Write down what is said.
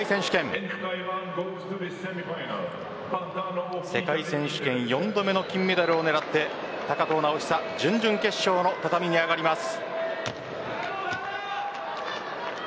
世界選手権を世界選手権４度目の金メダルを狙って高藤直寿準々決勝の畳に上がります。